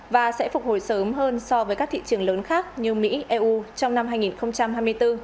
và sẽ phục hồi sớm hơn so với các thị trường lớn khác như mỹ eu trong năm hai nghìn hai mươi bốn